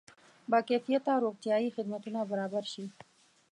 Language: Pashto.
با کیفیته روغتیایي خدمتونه برابر شي.